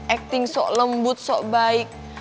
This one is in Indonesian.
acting so lembut sok baik